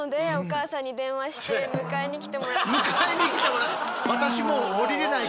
迎えに来てもらった。